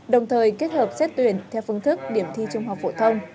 đồng thời kết hợp xét tuyển theo phương thức điểm thi trung học phổ thông